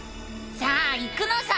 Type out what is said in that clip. さあ行くのさ！